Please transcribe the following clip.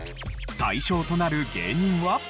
対象となる芸人は。